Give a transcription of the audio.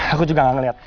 aku juga gak melihat